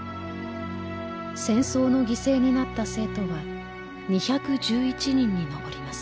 戦争の犠牲になった生徒は２１１人に上ります。